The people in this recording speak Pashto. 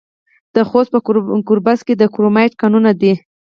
د خوست په ګربز کې د کرومایټ کانونه دي.